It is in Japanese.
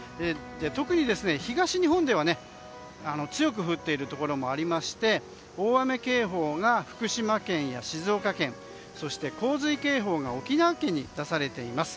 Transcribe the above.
特に東日本では、強く降っているところもありまして大雨警報が福島県や静岡県そして洪水警報が沖縄県に出されています。